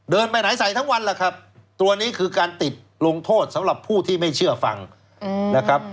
ไปไหนใส่ทั้งวันล่ะครับตัวนี้คือการติดลงโทษสำหรับผู้ที่ไม่เชื่อฟังนะครับ